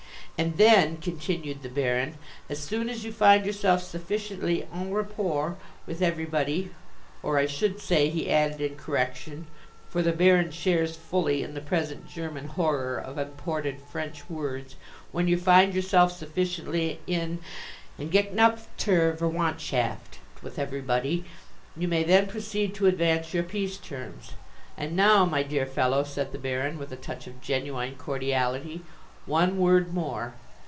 And then," continued the Baron, "as soon as you find yourself sufficiently en rapport with everybody, or I should say," he added in correction, for the Baron shares fully in the present German horror of imported French words, "when you find yourself sufficiently in enggeknupfterverwandtschaft with everybody, you may then proceed to advance your peace terms. And now, my dear fellow," said the Baron, with a touch of genuine cordiality, "one word more.